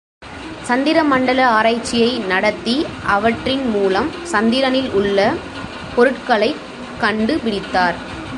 சந்திர மண்டல ஆராய்ச்சியை நடத்தி அவற்றின் மூலம் சந்திரனில் உள்ள பொருட்களைக் கண்டு பிடித்தார்!